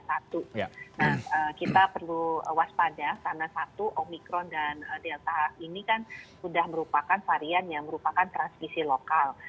nah kita perlu waspada karena satu omikron dan delta ini kan sudah merupakan varian yang merupakan transmisi lokal